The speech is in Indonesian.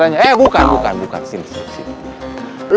eh bukan bukan sini sini sini